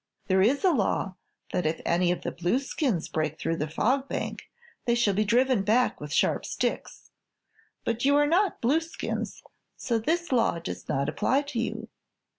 There is a law that if any of the Blueskins break through the Fog Bank they shall be driven back with sharp sticks; but you are not Blueskins, so this Law does not apply to you.